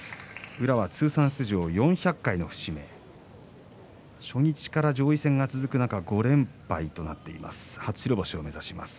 宇良は通算出場４００回の節目で初日から上位戦が続く中で５連敗で初白星を目指します。